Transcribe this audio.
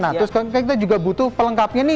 nah terus kita juga butuh pelengkapnya nih